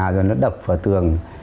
rồi nó đập vào tường